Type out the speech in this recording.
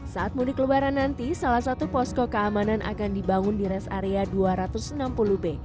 saat mudik lebaran nanti salah satu posko keamanan akan dibangun di res area dua ratus enam puluh b